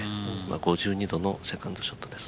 ５２度のセカンドショットです。